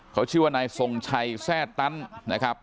เขาชื่อว่านายทรงชัยแทร่ตันนะครับ